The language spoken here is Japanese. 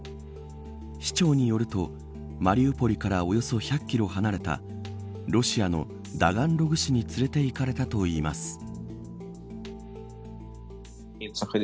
市長によると、マリウポリからおよそ１００キロ離れたロシアのダガンログ市に連れていかれたといいます。